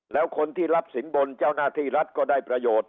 แล้วคนที่รับสินบนเจ้าหน้าที่รัฐก็ได้ประโยชน์